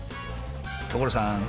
所さん！